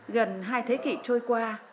gần hai thế kỷ trôi qua